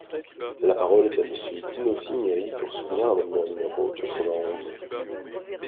La parole est à Monsieur Dino Cinieri, pour soutenir l’amendement numéro quatre-vingt-onze.